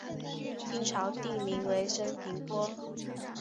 清朝定名为升平坡。